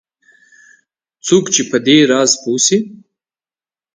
څوک چې په دې راز پوه شي